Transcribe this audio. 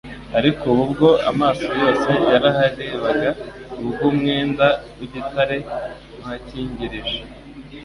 ariko ubu bwo amaso yose yaraharebaga ubwo umwenda w'igitare uhakingirije,